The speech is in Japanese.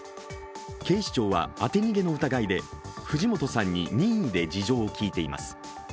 警視庁は当て逃げの疑いで藤本さんに任意で事情を聴いています。